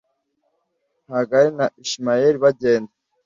Hagari na Ishimayeli bagenda